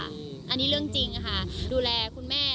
อันนี้เรื่องจริงค่ะดูแลคุณแม่